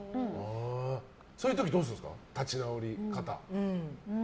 そういう時どうするんですか立ち直り方。